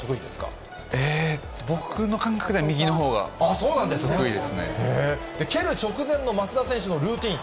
僕の感覚では、右のほうが得蹴る直前の松田選手のルーティン。